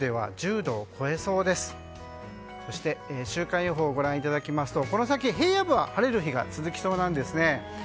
週間予報をご覧いただきますとこの先、平野部は晴れる日が続きそうなんですね。